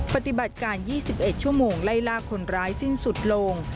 ปฏิบัติการยี่สิบเอ็ดชั่วโมงไล่ลากคนร้ายสิ้นสุดลง